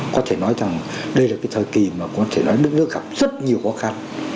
có thể nói rằng đây là cái thời kỳ mà có thể nói đất nước gặp rất nhiều khó khăn